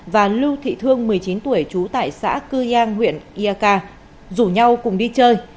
và lưu thị thương một mươi chín tuổi trú tại xã cư giang huyện iak rủ nhau cùng đi chơi